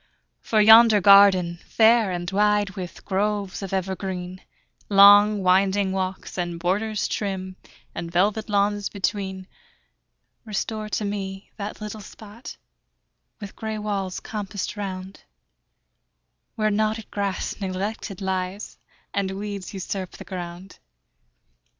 For yonder garden, fair and wide, With groves of evergreen, Long winding walks, and borders trim, And velvet lawns between; Restore to me that little spot, With gray walls compassed round, Where knotted grass neglected lies, And weeds usurp the ground.